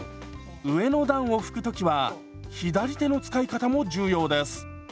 上の段を拭く時は左手の使い方も重要です。